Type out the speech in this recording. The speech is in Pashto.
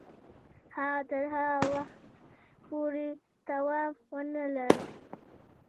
هغه تر هغه وخته پوري توان ونه لري.